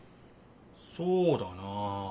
そうだなあ。